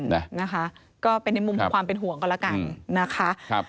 นะคะก็เป็นในมุมของความเป็นห่วงกันแล้วกันนะคะครับ